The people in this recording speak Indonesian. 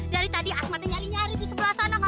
dari tadi asmatnya nyari nyari di sebelah sana